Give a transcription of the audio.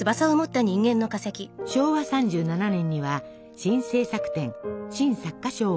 昭和３７年には新制作展新作家賞を受賞。